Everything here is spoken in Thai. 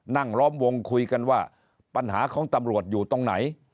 ล้อมวงคุยกันว่าปัญหาของตำรวจอยู่ตรงไหน